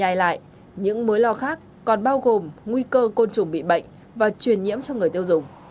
nhìn lại những mối lo khác còn bao gồm nguy cơ côn trùng bị bệnh và truyền nhiễm cho người tiêu dùng